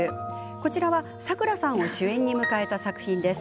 こちらは、サクラさんを主演に迎えた作品です。